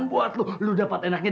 udah lagi lu apa apa